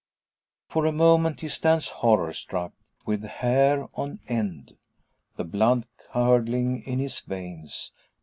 For a moment he stands horror struck, with hair on end. The blood curdling in his veins.